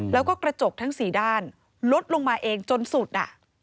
แล้วก็กระจกทั้งสี่ด้านลดลงมาเองจนสุดอ่ะ